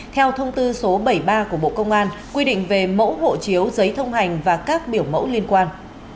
theo thông tư số bảy mươi ba của bộ công an quy định về mẫu hộ chiếu giấy thông hành và các biểu mẫu liên quan